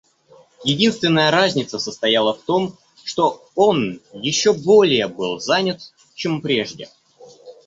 Единственная разница состояла в том, что он еще более был занят, чем прежде.